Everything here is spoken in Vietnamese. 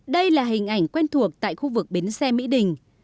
đây là hình ảnh quen thuộc tại khu vực bến xe mỹ đình